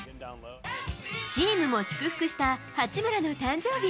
チームも祝福した八村の誕生日。